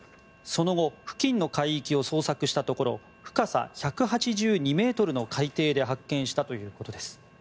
その後、付近の海域を捜索したところ深さ１８２ｍの海底で発見したということです。